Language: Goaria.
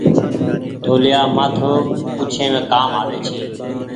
توليآ مآٿو پوڇيم ڪآم آوي ڇي ۔